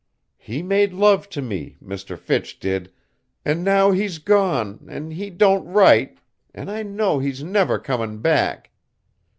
He made love t' me, Mr. Fitch did, an' now he's gone, an' he don't write, an' I know he's never comin' back.